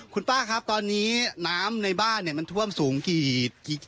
คุณป้าครับตอนนี้น้ำในบ้านเนี่ยมันท่วมสูงกี่ประมาณเท่าไหร่แล้วครับ